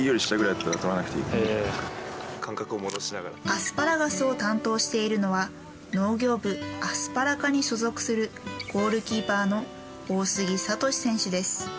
アスパラガスを担当しているのは農業部アスパラ課に所属するゴールキーパーの大杉啓選手です。